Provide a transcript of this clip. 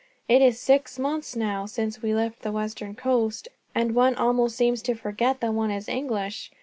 It is six months, now, since we left the western coast; and one almost seems to forget that one is English.